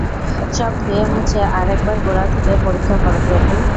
সব ধুয়ে-মুছে আর-একবার গোড়া থেকে পরীক্ষা করো প্রভু!